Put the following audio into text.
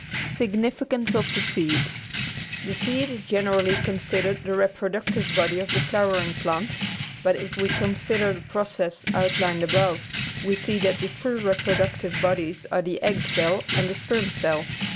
634 The Outline of Science Significance of the Seed The seed is generally considered the reproductive body of the flowering plant, but if we consider the process outlined above we see that the true reproductive bodies are the egg cell and the sperm cell.